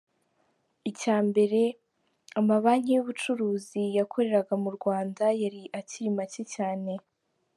Icya mbere, amabanki y’ubucuruzi yakoreraga mu Rwanda yari akiri make cyane.